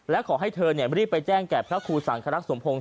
และขอให้เธอรีบไปแจ้งแก่พระครูสังครักสมพงศ์